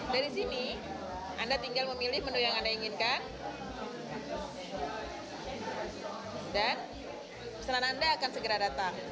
dari sini anda tinggal memilih menu yang anda inginkan dan pesanan anda akan segera datang